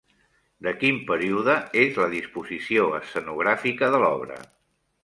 De quin període és la disposició escenogràfica de l'obra?